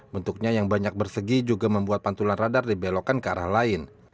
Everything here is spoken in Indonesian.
bentuknya yang banyak bersegi juga membuat pantulan radar dibelokkan ke arah lain